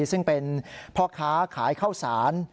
ซึ่งเป็นพ่อค้าขายข้าวสาร